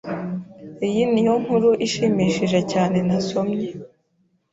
Iyi niyo nkuru ishimishije cyane nasomye.